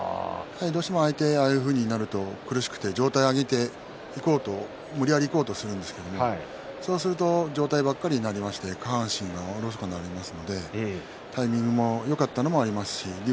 相手は、ああいうふうになると苦しくて上体を上げて無理やりいこうとするんですけれどそうすると下半身がおろそかになりますのでタイミングがよかったのがありますし竜